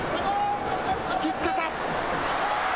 引きつけた。